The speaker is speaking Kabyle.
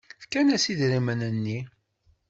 Fkan-as idrimen-nni.